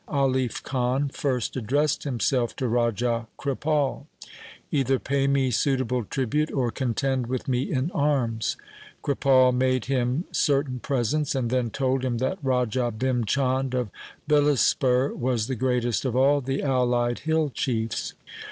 Alif Khan first addressed himself to Raja Kripal, ' Either pay me suitable tribute or contend with me in arms.' Kripal made him certain presents, and then told him that Raja Bhim Chand of Bilaspur was the greatest of all the allied hill chiefs.